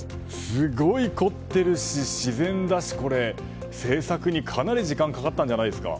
すごい凝ってるし、自然だしこれ、制作にかなり時間がかかったんじゃないですか？